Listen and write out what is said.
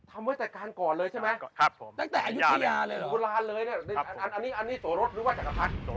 ทำไว้จัดการก่อนเลยใช่ไหม